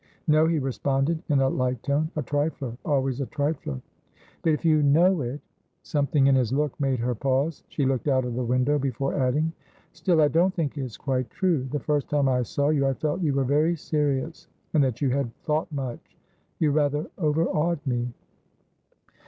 "No," he responded, in a like tone. "A trifleralways a trifler!" "But if you know it" Something in his look made her pause. She looked out of the window, before adding: "Still, I don't think it's quite true. The first time I saw you, I felt you were very serious, and that you had thought much. You rather overawed me."